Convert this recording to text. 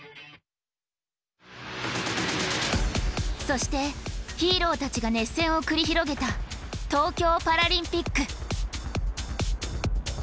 そしてヒーローたちが熱戦を繰り広げた東京パラリンピック